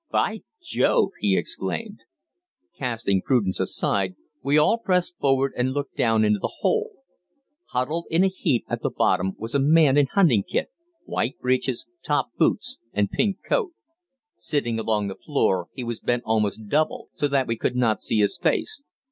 "By Jove!" he exclaimed. Casting prudence aside, we all pressed forward and looked down into the hole. Huddled in a heap at the bottom was a man in hunting kit white breeches, top boots and "pink" coat. Sitting along the floor, he was bent almost double, so that we could not see his face.